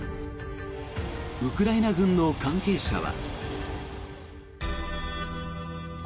ウクライナ軍の関係者は。